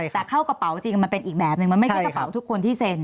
แต่เข้ากระเป๋าจริงมันเป็นอีกแบบนึงมันไม่ใช่กระเป๋าทุกคนที่เซ็น